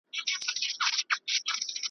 هر یوه ته خپل قسمت وي رسېدلی .